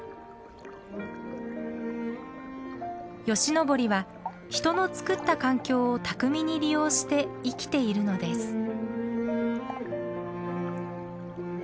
ヨシノボリは人のつくった環境を巧みに利用して生きているのです。